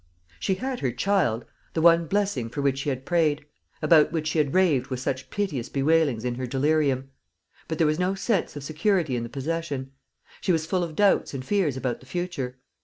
She had her child the one blessing for which she had prayed about which she had raved with such piteous bewailings in her delirium; but there was no sense of security in the possession. She was full of doubts and fears about the future.